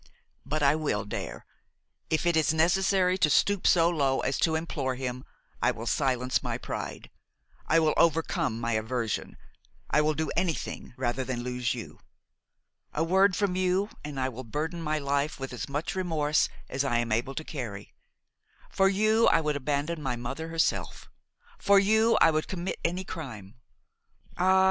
But I will dare. If it is necessary to stoop so low as to implore him, I will silence my pride, I will overcome my aversion, I will do anything rather than lose you. A word from you and I will burden my life with as much remorse as I am able to carry; for you I would abandon my mother herself; for you I would commit any crime. Ah!